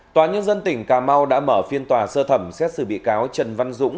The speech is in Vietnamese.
tòa nhân dân tỉnh cà mau đã mở phiên tòa sơ thẩm xét xử bị cáo trần văn dũng